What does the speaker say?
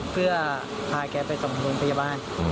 เพื่อพาแกไปสมมุมพยาบาล